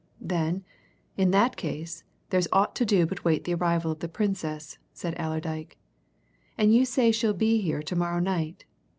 "Then, in that case, there's naught to do but wait the arrival of the Princess," said Allerdyke. "And you say she'll be here to morrow night.